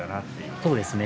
そうですね。